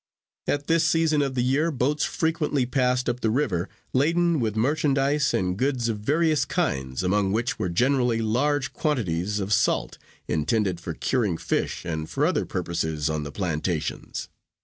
At this season of the year boats frequently passed up the river, laden with merchandise and goods of various kinds, among which were generally large quantities of salt, intended for curing fish, and for other purposes on the plantations.